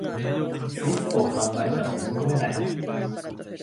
リスクを考えたら踏み込めない